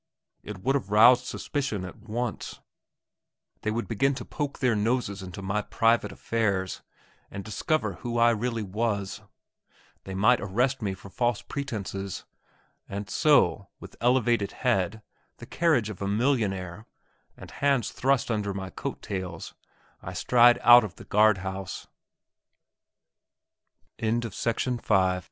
It would have roused suspicion at once. They would begin to poke their noses into my private affairs, and discover who I really was; they might arrest me for false pretences; and so, with elevated head, the carriage of a millionaire, and hands thrust under my coat tails, I stride out of the guard ho